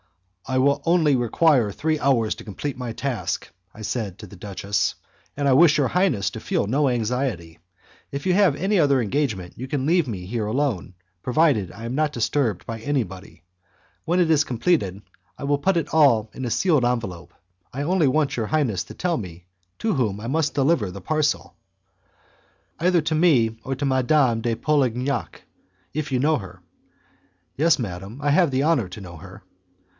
"I only require three hours to complete my task," I said to the duchess, "and I wish your highness to feel no anxiety. If you have any other engagement you can leave me here alone, provided I am not disturbed by anybody. When it is completed, I will put it all in a sealed envelope; I only want your highness to tell me to whom I must deliver the parcel." "Either to me or to Madame de Polignac, if you know her." "Yes, madam, I have the honour to know her."